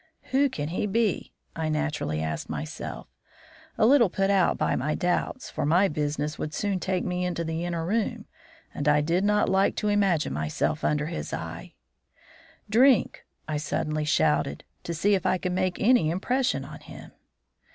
"'Who can he be?' I naturally asked myself, a little put out by my doubts; for my business would soon take me into the inner room, and I did not like to imagine myself under his eye. "'Drink!' I suddenly shouted, to see if I could make any impression on him.